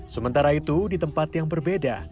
sementara itu di tempat yang berbeda